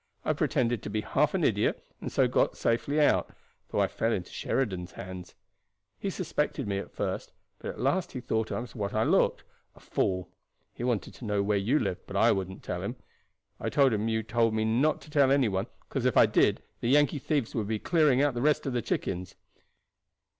"I pretended to be half an idiot, and so got safely out, though I fell into Sheridan's hands. He suspected me at first, but at last he thought I was what I looked a fool. He wanted to know where you lived, but I wouldn't tell him. I told him you told me not to tell any one, 'cause if I did the Yankee thieves would be clearing out the rest of the chickens."